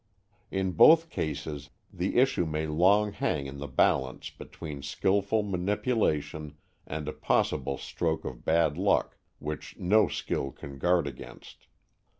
In both cases the issue may long hang in the balance between skilful manipulation and a possible stroke of bad luck, which no skill can guard against.